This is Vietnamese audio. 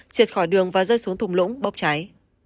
triệt khỏi đường và rơi xuống thùng lũng bốc cháy